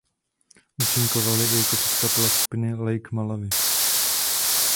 Účinkovali i jako předkapela skupiny Lake Malawi.